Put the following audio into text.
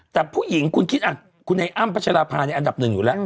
แต่ผู้หญิงคุณคิดคุณไอ้อ้ำพัชราภาในอันดับหนึ่งอยู่แล้ว